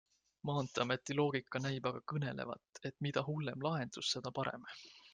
Maanteeameti loogika näib aga kõnelevat, et mida hullem lahendus, seda parem.